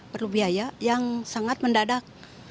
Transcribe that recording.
perlu biaya yang sangat mendadak